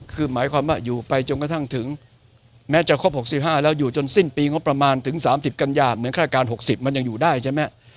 คือหมายความว่าอยู่ไปจนกระทั่งถึงแม้จะครบ๖๕แล้วอยู่จนสิ้นปีงบประมาณถึง๓๐กันยาเหมือนฆาตการ๖๐มันยังอยู่ได้ใช่ไหม